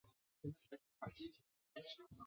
馆内还有关于中世纪和近现代的永久展览。